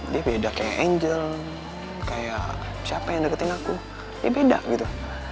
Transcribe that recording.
dia beda kayak angel kayak siapa yang deketin aku dia beda gitu